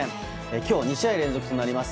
今日、２試合連続となります